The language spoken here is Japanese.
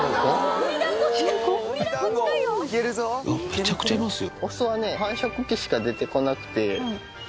めちゃくちゃいますよ。